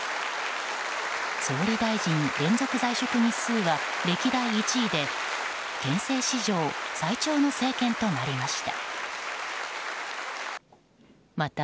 総理大臣、連続在職日数は歴代１位で憲政史上最長の政権となりました。